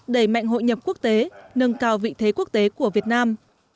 đẩy mạnh hội nhập quốc tế nâng cao vị thế quốc tế của việt nam